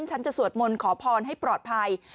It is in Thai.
ฉันจะสวดมนต์ขอพรให้ปลอดภัย